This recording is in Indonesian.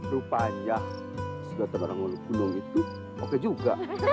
rupanya segata barangun gulung itu oke juga